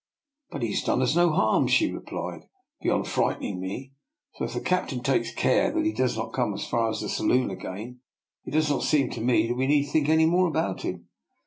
" But he has done us no harm," she re plied, " beyond frightening me; so if the cap tain takes care that he does not come as far as the saloon again, it does not seem to me we need think any more about him."